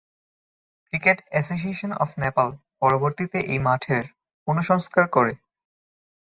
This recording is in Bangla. ক্রিকেট এ্যাসোসিয়েশন অফ নেপাল পরবর্তিতে এই মাঠের পুনঃসংস্কার করে।